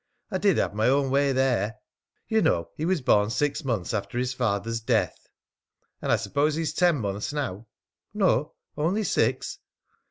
I did have my own way there! You know he was born six months after his father's death." "And I suppose he's ten months now?" "No; only six."